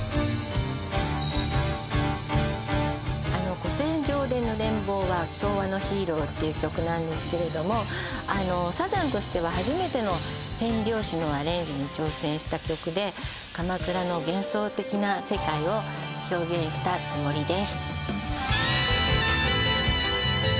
「古戦場で濡れん坊は昭和のＨｅｒｏ」っていう曲なんですけれどもあのサザンとしては初めての変拍子のアレンジに挑戦した曲で鎌倉の幻想的な世界を表現したつもりです